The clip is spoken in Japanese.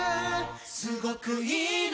すごくいいね